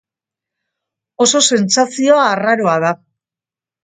Oso sentsazio arraroa da.